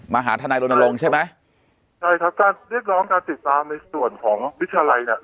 หาทนายรณรงค์ใช่ไหมใช่ครับการเรียกร้องการติดตามในส่วนของวิทยาลัยเนี่ย